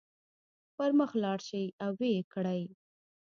پر مخ لاړ شئ او ويې کړئ.